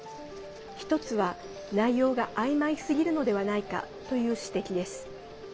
一つは、内容があいまいすぎるのではないかという指摘です。